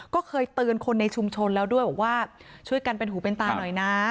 ก็เคยเตือนคนในชุมชนแล้วด้วยบอกว่าช่วยกันเป็นหูเป็นตาหน่อยนะ